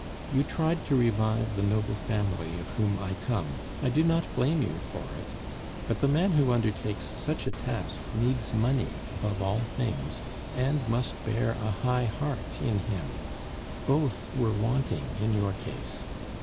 "You tried to revive the noble family of whom I come; I do not blame you for it. But the man who undertakes such a task needs money above all things, and must bear a high heart in him; both were wanting in your case.